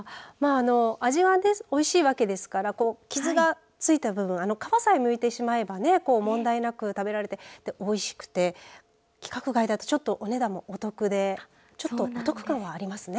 味はおいしいわけですから傷がついた部分皮さえむいてしまえば問題なく食べられて、おいしくて規格外だとちょっとお値段もお得でお得感はありますね。